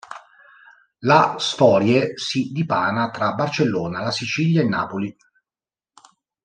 La storie si dipana tra Barcellona, la Sicilia e Napoli.